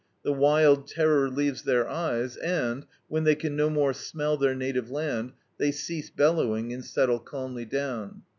The wild terror leaves their eyes, and, when they can no more smell ^eir native land, they cease bellowing and settle calmly down.